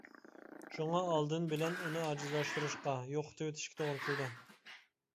شۇڭا، ئالدىن بىلەن ئۇنى ئاجىزلاشتۇرۇشقا، يوقىتىۋېتىشكە توغرا كېلىدۇ.